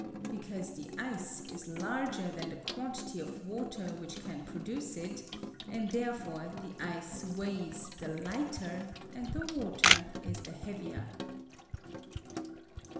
Because the ice is ^^^K larger than the quantity of ■water which can produce it, and therefore the ice weighs the Hghter and the water is the heavier.